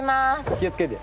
気をつけて。